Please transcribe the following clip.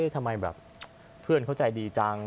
ทำไมเพลินเขาใจดีจัง